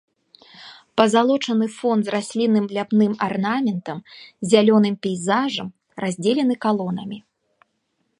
Пазалочаны фон з раслінным ляпным арнаментам, зялёным пейзажам раздзелены калонамі.